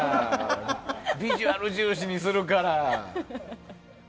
ビジュアル重視にするから。